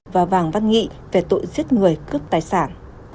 và vàng văn nghị về tội giết người cướp tài sản